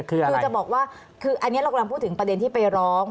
คือจะบอกว่าคืออันนี้เรากำลังพูดถึงประเด็นที่ไปร้อง